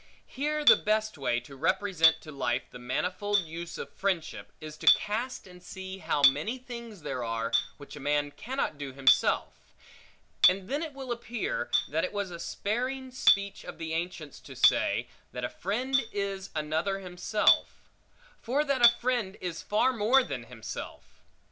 Here the best way to represent to life the manifold use of friendship, is to cast and see how many things there are, which a man cannot do himself; and then it will appear, that it was a sparing speech of the ancients, to say, that a friend is another himself; for that a friend is far more than himself.